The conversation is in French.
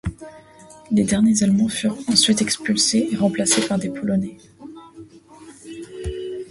Les derniers Allemands furent ensuite expulsés et remplacés par des Polonais.